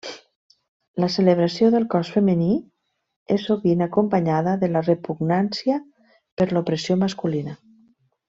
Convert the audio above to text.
La celebració del cos femení és sovint acompanyada de la repugnància per l'opressió masculina.